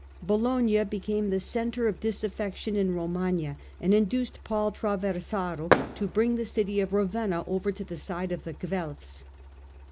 Bologna became the centre of disaffection in Romagna and induced Paul Traversaro to bring the city of Ravenna over to the side of the Guelfs.